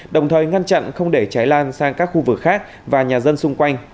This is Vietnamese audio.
đồng thời ngăn chặn không để cháy lan sang các khu vực khác và nhà dân xung quanh